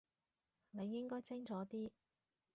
你應該清楚啲